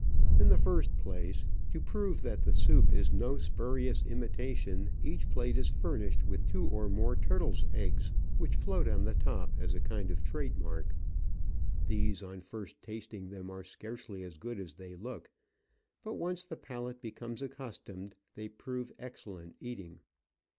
In the first place, to prove that the soup is no spurious imitation, each plate is furnished with two or more turtles* eggs, which float on, the top as a kind of trade mark. These, on first tasting them, are scarcely as good as they look ; but once the palate becomes accustomed, they prove excel lent eating.